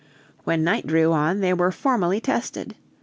When night drew on, they were formally tested.